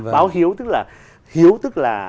báo hiếu tức là